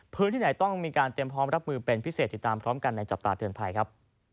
พื้นที่ไหนต้องมีการเตรียมพร้อมรับมือเป็นพิเศษติดตามพร้อมกันในจับตาเตือนภัยครับ